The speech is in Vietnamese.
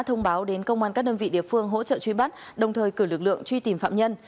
thông báo đến công an các đơn vị địa phương hỗ trợ truy bắt đồng thời cử lực lượng truy tìm phạm nhân